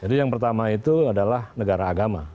jadi yang pertama itu adalah negara agama